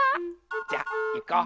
じゃいこう。